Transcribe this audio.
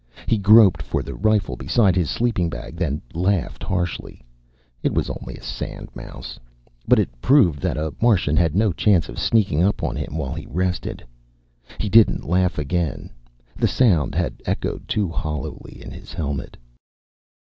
He groped for the rifle beside his sleeping bag, then laughed harshly. It was only a sandmouse. But it proved that the Martian had no chance of sneaking up on him while he rested. He didn't laugh again. The sound had echoed too hollowly in his helmet.